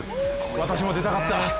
私も出たかった。